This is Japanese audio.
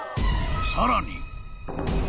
［さらに］